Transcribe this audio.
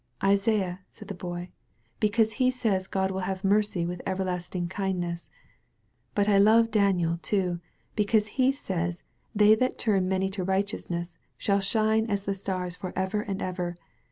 '* "Isaiah," said the Boy, "because he says God will have mercy with everlasting kindness. But I love Daniel, too, because he says they that tiun many to righteousness shall shine as the stars for ever and ever.